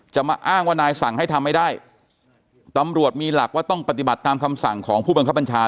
จะมาอ้างว่านายสั่งให้ทำไม่ได้ตำรวจมีหลักว่าต้องปฏิบัติตามคำสั่งของผู้บังคับบัญชา